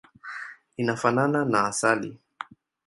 Inafanana na asali.